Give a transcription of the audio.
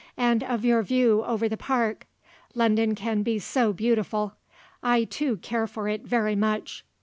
And of your view over the park. London can be so beautiful; I, too, care for it very much.